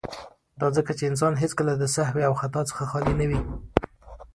، دا ځکه چې انسان هيڅکله د سهو او خطا څخه خالي نه وي.